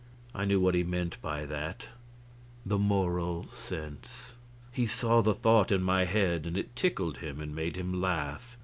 I knew what he meant by that the Moral Sense. He saw the thought in my head, and it tickled him and made him laugh.